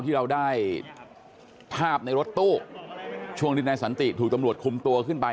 ที่เราได้ภาพในรถตู้ช่วงที่นายสันติถูกตำรวจคุมตัวขึ้นไป